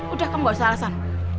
udah kamu gak usah alasan